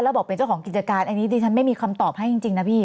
แล้วบอกเป็นเจ้าของกิจการอันนี้ดิฉันไม่มีคำตอบให้จริงนะพี่